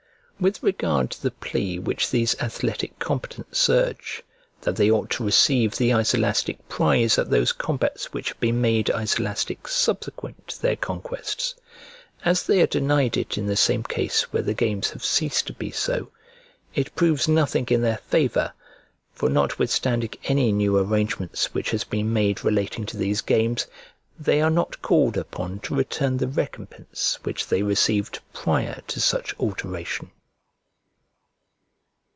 With regard to the plea which these athletic combatants urge, that they ought to receive the Iselastic prize at those combats which have been made Iselastic subsequent to their conquests, as they are denied it in the same case where the games have ceased to be so, it proves nothing in their favour; for notwithstanding any new arrangements which has been made relating to these games, they are not called upon to return the recompense which they received prior to such alteration.